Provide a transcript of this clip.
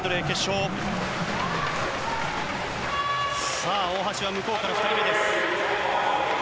さあ、大橋は向こうから２人目です。